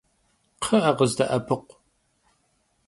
Kxhı'e, khızde'epıkhu!